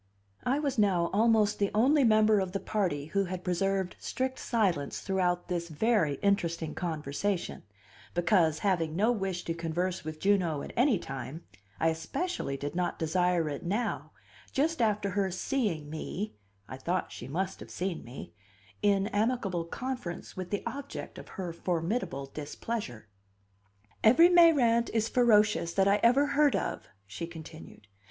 I was now almost the only member of the party who had preserved strict silence throughout this very interesting conversation, because, having no wish to converse with Juno at any time, I especially did not desire it now, just after her seeing me (I thought she must have seen me) in amicable conference with the object of her formidable displeasure. "Every Mayrant is ferocious that I ever heard of," she continued.